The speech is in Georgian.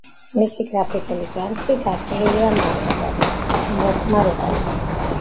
მისი გრაფიკული გარსი გათვლილია მარტივად მოხმარებაზე.